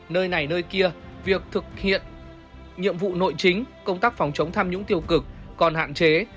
nơi này nơi kia việc thực hiện nhiệm vụ nội chính công tác phòng chống tham nhũng tiêu cực còn hạn chế